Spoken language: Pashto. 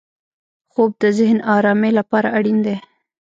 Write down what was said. خوب د ذهن ارامۍ لپاره اړین دی